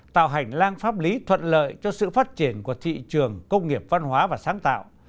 tạo hành lang pháp lý thuận lợi cho sự phát triển của thị trường công nghiệp văn hóa và sáng tạo